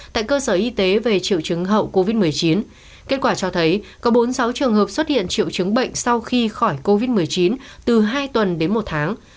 tại cơ sở y tế về triệu chứng hậu covid một mươi chín kết quả cho thấy có bốn mươi sáu trường hợp xuất hiện triệu chứng bệnh sau khi khỏi covid một mươi chín từ hai tuần đến một tháng